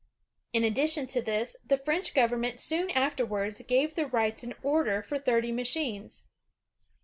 In addition to this, the French government soon afterwards gave the Wrights an order for thirty machines.